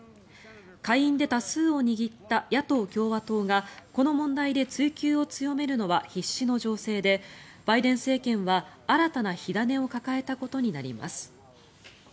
下院で多数を握った野党・共和党がこの問題で追及を強めるのは必至の情勢でバイデン政権は新たな火種を抱えたことになります。